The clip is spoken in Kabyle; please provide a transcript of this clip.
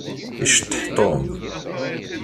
Iceṭṭeḥ Tom.